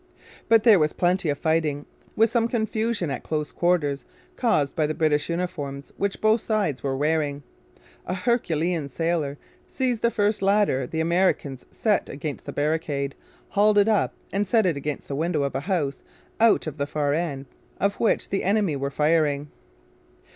But there was plenty of fighting, with some confusion at close quarters caused by the British uniforms which both sides were wearing. A Herculean sailor seized the first ladder the Americans set against the barricade, hauled it up, and set it against the window of a house out of the far end of which the enemy were firing.